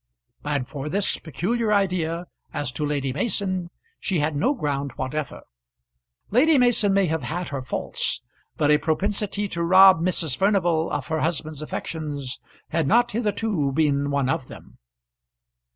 And for this peculiar idea as to Lady Mason she had no ground whatever. Lady Mason may have had her faults, but a propensity to rob Mrs. Furnival of her husband's affections had not hitherto been one of them.